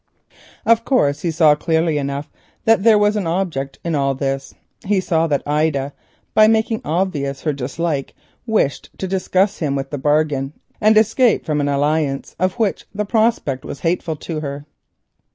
Of course, he saw clearly enough that there was an object in all this—he saw that Ida, by making obvious her dislike, wished to disgust him with his bargain, and escape from an alliance of which the prospect was hateful to her.